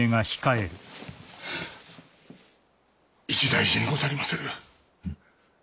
一大事にござりまする。